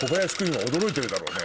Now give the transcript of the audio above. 今驚いてるだろうね。